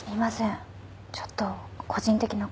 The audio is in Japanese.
ちょっと個人的なことで。